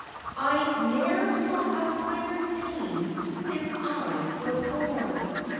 I ne'er saw a finer dame since I was born.